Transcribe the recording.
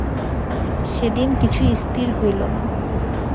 সেদিন কিছুই স্থির হইল না।